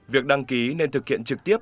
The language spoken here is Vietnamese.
việc đăng ký nên thực hiện trực tiếp